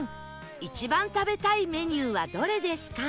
一番食べたいメニューはどれですか？